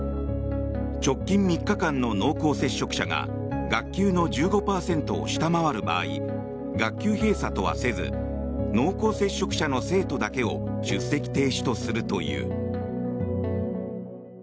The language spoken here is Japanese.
直近３日間の濃厚接触者が学級の１５％を下回る場合学級閉鎖とはせず濃厚接触者の生徒だけを出席停止とするという。